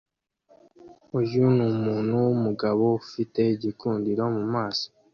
Uyu numuntu wumugabo ufite igikundiro mumaso